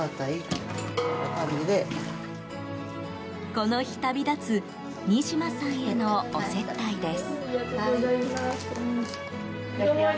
この日旅立つニシマさんへのお接待です。